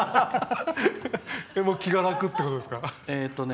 気が楽ってことですか？